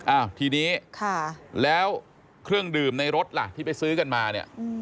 อ้าวทีนี้แล้วเครื่องดื่มในรถล่ะที่ไปซื้อกันมาเนี่ย